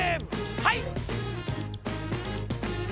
はい！